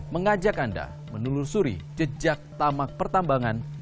mengajak anda menelusuri jejak tamak pertambangan